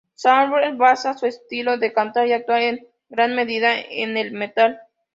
Shadows basa su estilo de cantar y actuar en gran medida en el metal.